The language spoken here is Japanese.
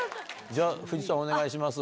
じゃあ、藤さんお願いします。